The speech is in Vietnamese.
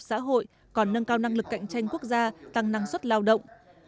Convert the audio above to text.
xã hội còn nâng cao năng lực cạnh tranh quốc gia tăng năng suất lao động